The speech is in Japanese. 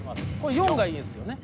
「４」がいいですよ